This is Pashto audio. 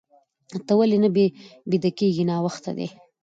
ته ولې نه بيده کيږې؟ ناوخته دي.